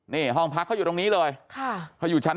นี่ห้องพักเขาอยู่ตรงนี้เลยเขาอยู่ชั้น๒